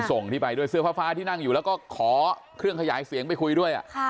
ส่งที่ไปด้วยเสื้อฟ้าที่นั่งอยู่แล้วก็ขอเครื่องขยายเสียงไปคุยด้วย